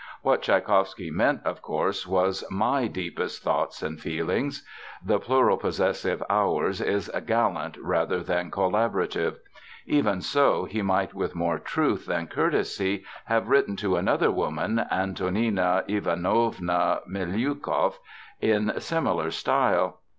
What Tschaikowsky meant, of course, was "my deepest thoughts and feelings." The plural possessive, "ours," is gallant rather than collaborative. Even so, he could with more truth than courtesy have written to another woman, Antonina Ivanovna Miliukov, in similar style.